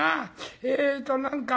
えっと何か。